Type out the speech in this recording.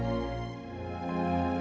aku tak tahu kenapa